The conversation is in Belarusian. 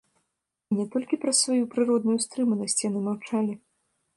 І не толькі праз сваю прыродную стрыманасць яны маўчалі.